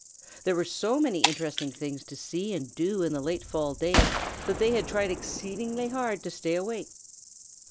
There were so many interesting things to see and do in the late fall days that they tried exceedingly hard to keep awake.